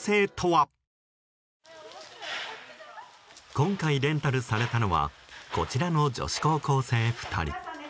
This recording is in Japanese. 今回レンタルされたのはこちらの女子高校生２人。